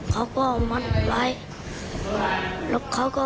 เจ็บตอนนี้ไม่เจ็บครับ